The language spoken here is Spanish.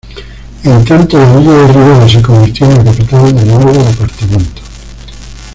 En tanto la villa de Rivera se convirtió en la capital del nuevo departamento.